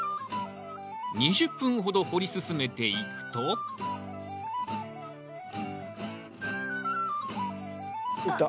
２０分ほど掘り進めていくといった。